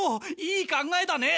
いい考えだね。